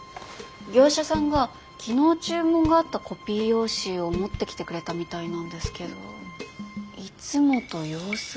業者さんが昨日注文があったコピー用紙を持ってきてくれたみたいなんですけどいつもと様子が。